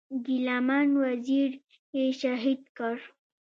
ګيله من وزير یې شهید کړ.